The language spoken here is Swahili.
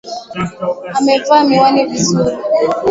Amevaa miwani vizuri.